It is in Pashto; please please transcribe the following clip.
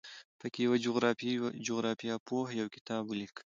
په کې یوه جغرافیه پوه یو کتاب ولیکه.